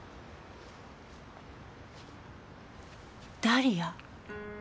ダリア？